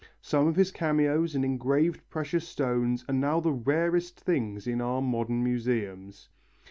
Some of his cameos and engraved precious stones are now the rarest things in our modern museums.